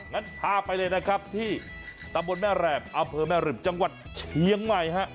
งั้นพาไปเลยนะครับที่ตำบลแม่แหลบอำเภอแม่ริมจังหวัดเชียงใหม่ฮะ